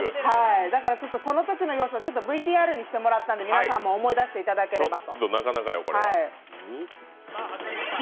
だから、そのときの様子をＶＴＲにしてもらったので皆さんに思い出してもらえればと。